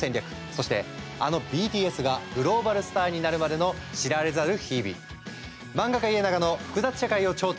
そしてあのＢＴＳがグローバルスターになるまでの知られざる日々。